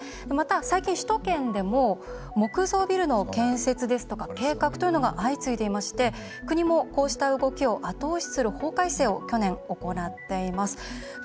最近、首都圏でも建設ですとか計画というのが相次いでいまして国もこうした動きを後押しする法改正を去年行っています。